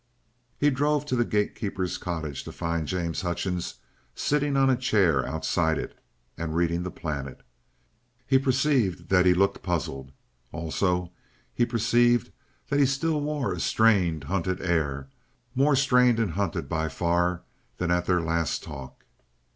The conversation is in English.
He drove to the gamekeeper's cottage to find James Hutchings sitting on a chair outside it and reading the Planet. He perceived that he looked puzzled. Also, he perceived that he still wore a strained, hunted air, more strained and hunted by far than at their last talk.